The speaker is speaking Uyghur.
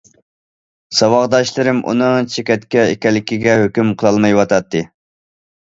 ساۋاقداشلىرىم ئۇنىڭ چېكەتكە ئىكەنلىكىگە ھۆكۈم قىلالمايۋاتاتتى.